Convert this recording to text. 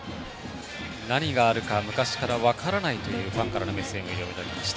何があるか昔から分からないというファンからのメッセージをいただきました。